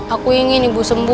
aku ingin ibu sembuh